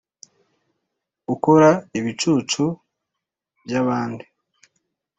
ukora ibicucu byabandi